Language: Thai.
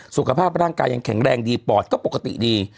สุขภาพร่างกายยังแข็งแรงดีปอดก็ปกติดี